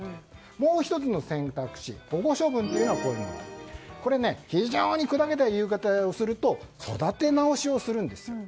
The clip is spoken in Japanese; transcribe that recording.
もう１つの選択肢、保護処分はこれは非常にくだけた言い方をすると育て直しをするんです。